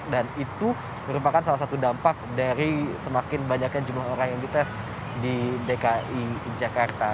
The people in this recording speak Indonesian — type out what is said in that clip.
dan itu merupakan salah satu dampak dari semakin banyaknya jumlah orang yang dites di dki jakarta